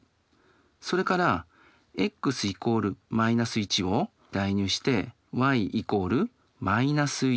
それからｘ＝−１を代入してｙ＝−１。